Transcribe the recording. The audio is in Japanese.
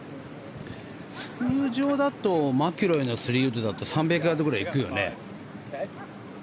通常だとマキロイの３ウッドだと３００ヤードぐらい行くよね？